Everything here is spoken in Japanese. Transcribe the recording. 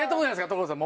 所さん。